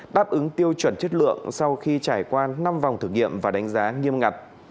đáp ứng tiêu chuẩn chất lượng sau khi trải qua năm vòng thử nghiệm và đánh giá nghiêm ngặt